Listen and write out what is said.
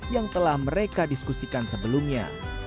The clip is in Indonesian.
yang telah mereka diskusikan sebelumnya